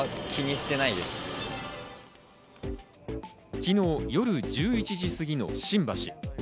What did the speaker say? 昨日夜１１時すぎの新橋。